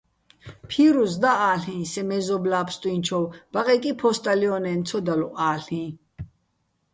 ფირუზ და-ალ'იჼ სე მეზობლა́ ბსტუ́ჲნჩოვ, ბაყეკი ფო́სტალიო́ნეჼ ცო დალო̆-ა́ლ'იჼ.